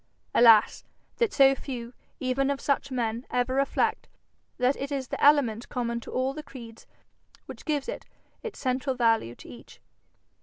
Alas! that so few, even of such men, ever reflect, that it is the element common to all the creeds which gives its central value to each.